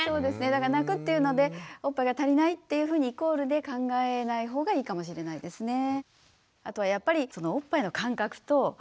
だから泣くっていうのでおっぱいが足りないっていうふうにイコールで考えないほうがいいかもしれないですね。